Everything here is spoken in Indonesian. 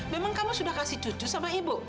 memang kamu sudah kasih cucu sama ibu